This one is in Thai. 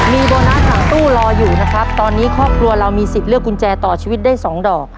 มีโบนัสหลังตู้รออยู่นะครับตอนนี้ครอบครัวเรามีสิทธิ์เลือกกุญแจต่อชีวิตได้๒ดอก